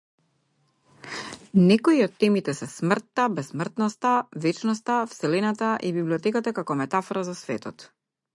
Некои од темите се смртта, бесмртноста, вечноста, вселената и библиотеката како метафора за светот.